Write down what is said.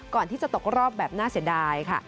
ก่อนที่จะตกรอบแบบน่าเสียดายค่ะ